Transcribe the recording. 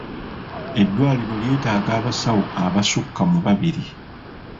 Eddwaliro lyetaaga abasawo abasukka mu babiri.